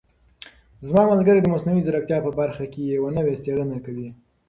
زما ملګری د مصنوعي ځیرکتیا په برخه کې یوه نوې څېړنه کوي.